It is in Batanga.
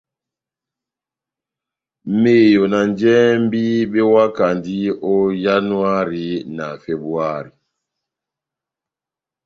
Meyo na njɛhɛmbi bewakandi ó Yanuhari na Febuwari.